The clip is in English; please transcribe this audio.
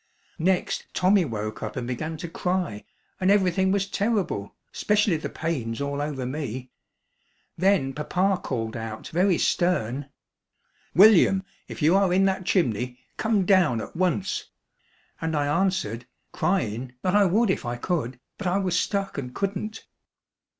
Next Tommy woke up and began to cry and everything was terrible, specially the pains all over me. Then papa called out very stern: "William, if you are in that chimney come down at once!" and I answered, cryin', that I would if I could, but I was stuck and couldn't.